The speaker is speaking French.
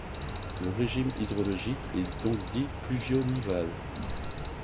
Le régime hydrologique est donc dit pluvio-nival.